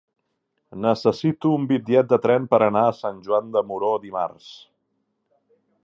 Necessito un bitllet de tren per anar a Sant Joan de Moró dimarts.